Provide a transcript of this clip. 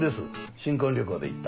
新婚旅行で行った。